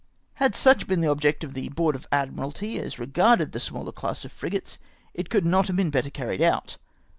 Had such been the object of the Board of Admiralty as re garded the smaller class of frigates, it could not have been better carried out.